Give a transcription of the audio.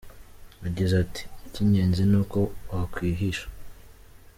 Yagize ati “Icy’ingenzi ni uko wakwihisha.